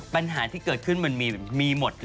ปัญหาที่เกิดขึ้นมันมีหมด